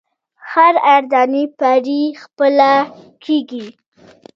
هر اردني پرې خپه کېږي.